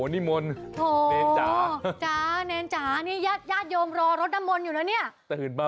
นี่ก็คือว่าท่านนั่งสมาธิก่อนจ้ะ